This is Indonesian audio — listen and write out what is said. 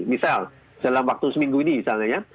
misal dalam waktu seminggu ini misalnya ya